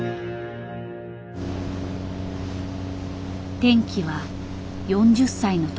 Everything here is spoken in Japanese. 転機は４０歳の時。